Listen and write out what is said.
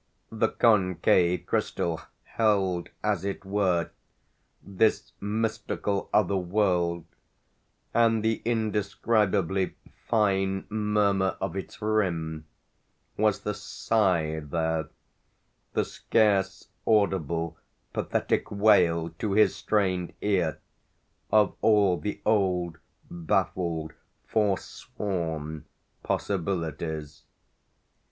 The concave crystal held, as it were, this mystical other world, and the indescribably fine murmur of its rim was the sigh there, the scarce audible pathetic wail to his strained ear, of all the old baffled forsworn possibilities.